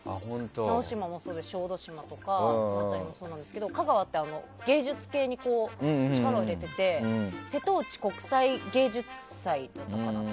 直島もそうですし小豆島とかもそうなんですけど香川って芸術系に力を入れてて瀬戸内国際芸術祭だったかな。